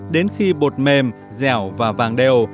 đến khi bột mềm dẻo và vàng đều